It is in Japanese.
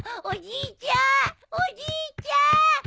おじいちゃん！